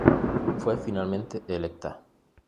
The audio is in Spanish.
Fue finalmente electa.